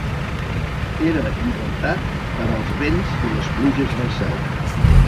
Era llibertat per als vents i les pluges del cel.